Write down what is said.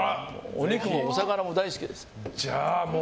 お肉もお魚も大好きです。